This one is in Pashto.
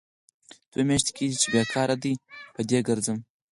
دوه میاشې کېږي بې کاره ډۍ په ډۍ کرځم.